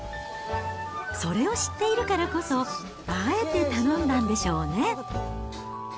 それを知っているからこそ、あえて頼んだんでしょうね。